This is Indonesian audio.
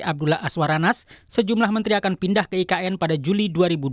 abdullah aswar anas sejumlah menteri akan pindah ke ikn pada juli dua ribu dua puluh